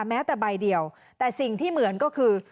แม้แต่ใบเดียวแต่สิ่งที่เหมือนก็คือ